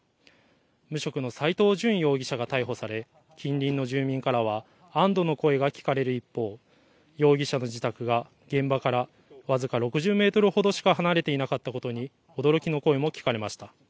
無職の斎藤淳容疑者が逮捕され近隣の住民からは安どの声が聞かれる一方、容疑者の自宅が現場から僅か６０メートルほどしか離れていなかったことに驚きの声も聞かれました。